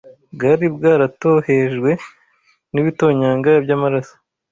bwari bwaratohejwe n’ibitonyanga by’amaraso